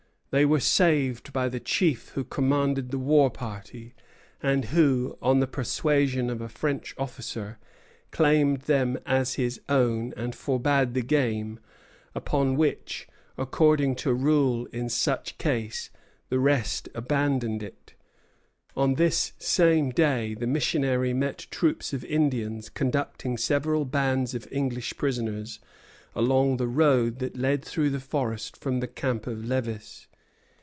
They were saved by the chief who commanded the war party, and who, on the persuasion of a French officer, claimed them as his own and forbade the game; upon which, according to rule in such cases, the rest abandoned it. On this same day the missionary met troops of Indians conducting several bands of English prisoners along the road that led through the forest from the camp of Lévis.